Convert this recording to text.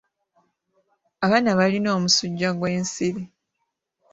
Abaana balina omusujja gw'ensiri.